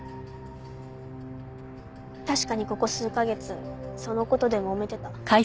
確かにここ数カ月その事でもめてた。